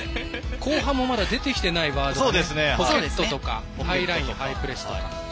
後半もまだ出てきていないワードポケット、ハイラインハイプレスとか。